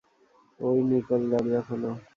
ওই, নিকোল, দরজা খোলো!